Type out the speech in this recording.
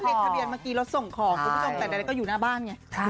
ทุกผู้ทรงแต่ใดก็อยู่หน้าบ้านไง